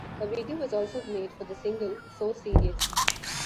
A video was also made for the single So Serious.